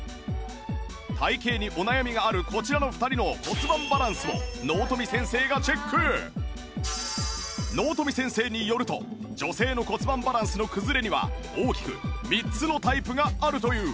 体形にお悩みがあるこちらの２人の納富先生によると女性の骨盤バランスの崩れには大きく３つのタイプがあるという